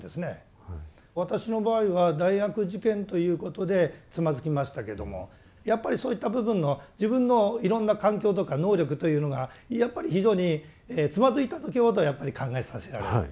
私の場合は大学受験ということでつまずきましたけどもやっぱりそういった部分の自分のいろんな環境とか能力というのがやっぱり非常につまずいた時ほどやっぱり考えさせられる。